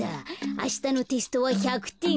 あしたのテストは１００てん。